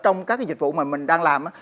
trong các cái dịch vụ mà mình đang làm á